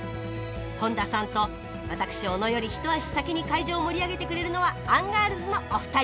本田さんと私小野より一足先に会場を盛り上げてくれるのはアンガールズのお二人。